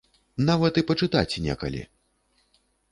Нават і пачытаць некалі.